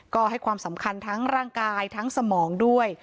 ก็ให้ความสำคัญทั้งร่างกายทั้งสมองด้วย